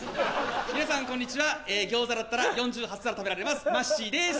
皆さんこんにちは餃子だったら４８皿食べられますまっしです。